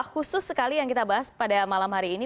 khusus sekali yang kita bahas pada malam hari ini